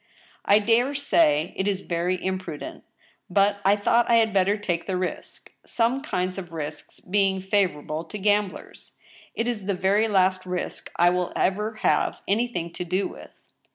" I dare say it is very imprudent ; but I thought I had better take the risk, some kinds of risks being favorable to gamblers. It is the very last risk I will ever have anything to do with.